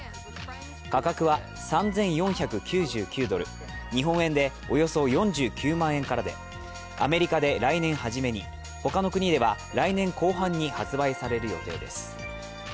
価格は３４９９ドル、日本円でおよそ４９万円からでアメリカで来年はじめに、他の国では来年後半に発売される予定です。